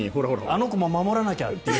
あの子も守らなきゃって